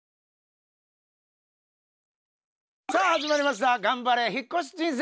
さあ始まりました「ガンバレ！引っ越し人生」。